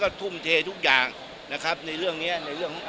ทุ่มเททุกอย่างนะครับในเรื่องนี้ในเรื่องของ